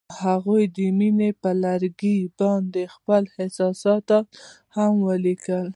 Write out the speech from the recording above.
هغوی د مینه پر لرګي باندې خپل احساسات هم لیکل.